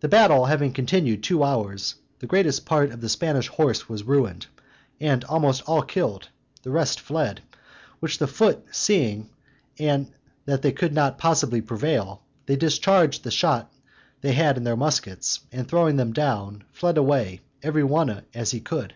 The battle having continued two hours, the greatest part of the Spanish horse was ruined, and almost all killed: the rest fled, which the foot seeing, and that they could not possibly prevail, they discharged the shot they had in their muskets, and throwing them down, fled away, every one as he could.